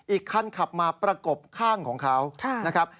อีกคันขับมาประกบข้างของเขานะครับ